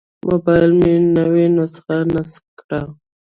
موبایل مې نوې نسخه نصب کړه.